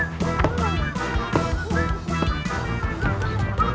kita tidak bebas illinois